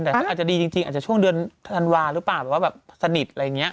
แต่อาจจะดีจริงอาจจะช่วงเดือนธันวาหรือเปล่าแบบว่าแบบสนิทอะไรอย่างนี้